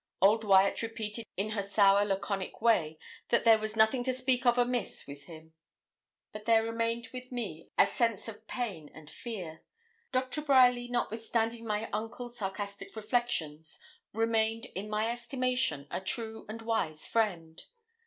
Old Wyat repeated in her sour laconic way that there was 'nothing to speak of amiss with him.' But there remained with me a sense of pain and fear. Doctor Bryerly, notwithstanding my uncle's sarcastic reflections, remained, in my estimation, a true and wise friend.